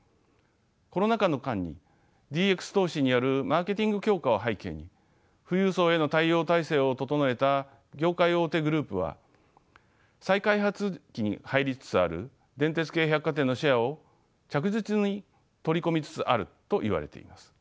コロナ禍の間にＤＸ投資によるマーケティング強化を背景に富裕層への対応体制を整えた業界大手グループは再開発期に入りつつある電鉄系百貨店のシェアを着実に取り込みつつあるといわれています。